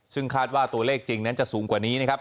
ซึ่งคาดว่าตัวเลขจริงนั้นจะสูงกว่านี้นะครับ